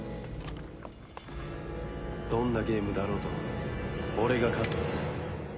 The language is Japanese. どんなゲームだろうと俺が勝つ。